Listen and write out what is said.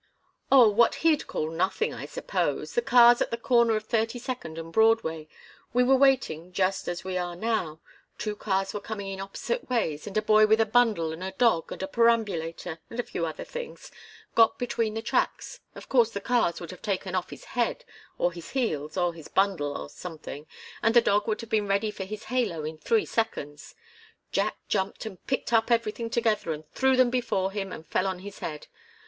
"Oh what he'd call nothing, I suppose! The cars at the corner of Thirty second and Broadway we were waiting, just as we are now two cars were coming in opposite ways, and a boy with a bundle and a dog and a perambulator, and a few other things, got between the tracks of course the cars would have taken off his head or his heels or his bundle, or something, and the dog would have been ready for his halo in three seconds. Jack jumped and picked up everything together and threw them before him and fell on his head.